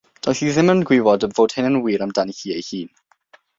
Doedd hi ddim yn gwybod fod hyn yn wir amdani hi ei hun.